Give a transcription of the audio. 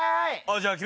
じゃあ君。